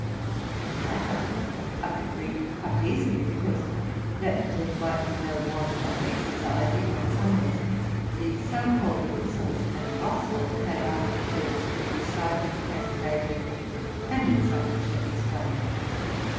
The latter I could read quite 'asily ; because, that there might be no want of exercise, even on Sundays, the so called E pistles and Gospels had, after church, to be recited, translated, and m some measure explained.